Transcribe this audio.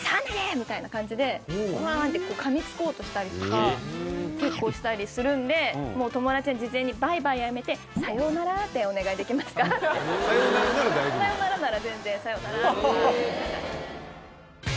みたいな感じでワワワンッてこう噛みつこうとしたりとか結構したりするんでもう友達に事前にバイバイやめてさようならでお願いできますかってさようならって